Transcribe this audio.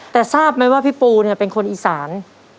แต่ทราบไหมว่าพี่ปูเนี่ยเป็นคนอีสาน